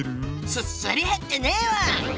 すすり減ってねえわ！